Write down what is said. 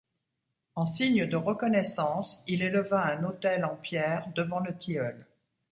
En signe de reconnaissance, il éleva un autel en pierres devant le tilleul.